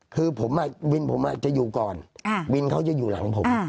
คือผมวินผมจะอยู่ก่อนวินเขาจะอยู่หลังผม